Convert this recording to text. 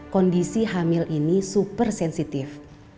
kondisi hamil ini super sensitif